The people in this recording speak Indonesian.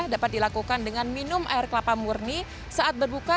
dapat dilakukan dengan minum air kelapa murni saat berbuka